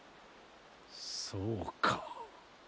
そうか。